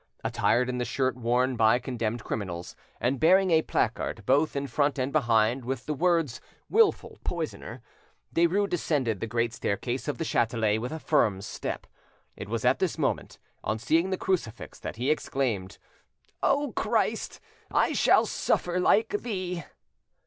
Attired in the shirt worn by condemned criminals, and bearing a placard both in front and behind, with the words "Wilful Poisoner," Derues descended the great staircase of the Chatelet with a firm step. It was at this moment, on seeing the crucifix, that he exclaimed, "O Christ, I shall suffer like Thee!"